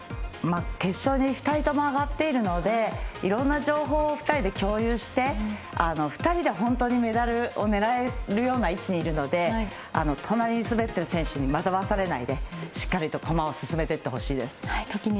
決勝に２人とも上がっているのでいろんな情報を２人で共有して２人で本当にメダルを狙えるような位置にいるので隣に滑っている選手に惑わされないでしっかりと駒を進めていってほしいです。